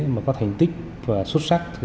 mà có thành tích và xuất sắc